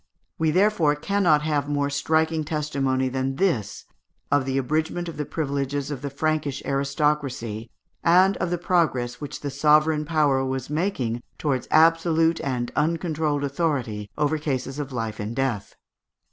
We therefore cannot have more striking testimony than this of the abridgment of the privileges of the Frankish aristocracy, and of the progress which the sovereign power was making towards absolute and uncontrolled authority over cases of life and death.